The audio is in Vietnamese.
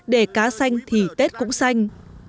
để cá xanh thì tết cũng xanh